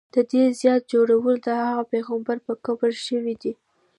د دې زیارت جوړول د هغه پیغمبر په قبر شوي دي.